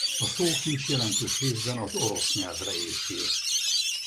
A szókincs jelentős részben az orosz nyelvre épül.